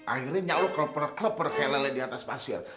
akhirnya lo keleper keleper kayak lele di atas pasir